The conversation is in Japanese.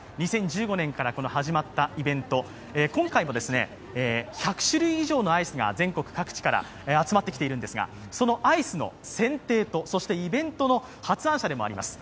２０１５年から始まったイベント、今回も１００種類以上のアイスが、全国各地から集まっているんですがそのアイスの選定とイベントの発案者でもあります